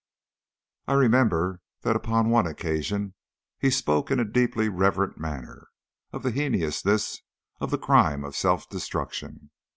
I remember that upon one occasion he spoke in a deeply reverent manner of the heinousness of the crime of self destruction.